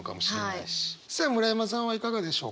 さあ村山さんはいかがでしょうか？